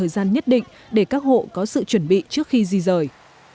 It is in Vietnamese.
về các hộ có sự chuẩn bị trước khi di rời